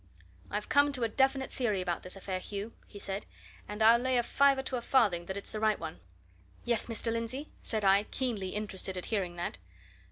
"I've come to a definite theory about this affair, Hugh," he said. "And I'll lay a fiver to a farthing that it's the right one!" "Yes, Mr. Lindsey?" said I, keenly interested at hearing that.